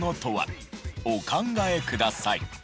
お考えください。